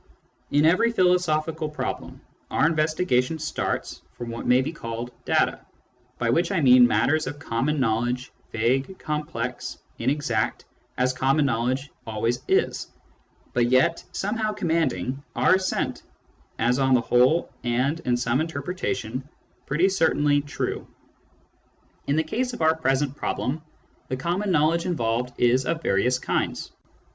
In every philosophical problem, our investigation starts from what may be called "data," by which I mean matters of common knowledge, vague, complex, inexact, as common knowledge always is, but yet some how commanding our assent as on the whole and in some interpretation pretty certainly true. In the case of our S Digitized by Google 66 SCIENTIFIC METHOD IN PHILOSOPHY present problem, the common knowledge involved is of various kinds.